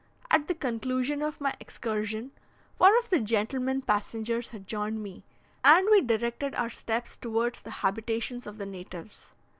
At the conclusion of my excursion, one of the gentlemen passengers had joined me, and we directed our steps towards the habitations of the natives.